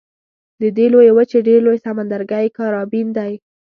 د دې لویې وچې ډېر لوی سمندرګی کارابین دی.